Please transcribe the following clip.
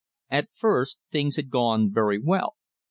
At first things had gone very well.